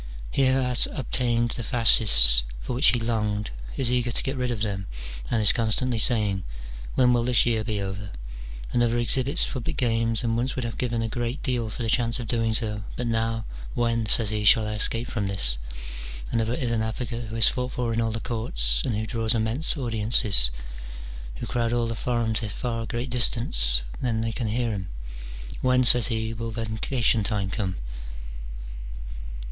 He who has obtained the fasces ' for which he longed, is eager to get rid of them, and is constantly saying, "When will this year be over? " another exhibits public games, and once would have given a great deal for the chance of doing so, but now " when," says he, "shall I escape from this?" another is an advocate who is fought for in all the courts, and who draws immense audiences, who crowd all the forum to a far greater distance than they can hear him ;" When," says he, "will vacation time come?"